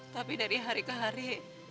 tapi dari hari ke hari